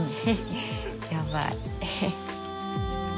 やばい。